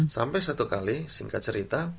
sampai satu kali singkat cerita